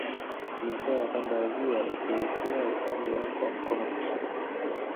Mikoa ya Kanda ya Ziwa elekea upande wako wa mkono wa kushoto